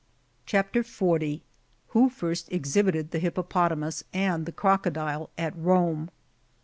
CHAP. 40. (26.) WHO FIEST EXHIBITED THE HIPPOPOTAMUS AND THE CEOCODILE AT HOME.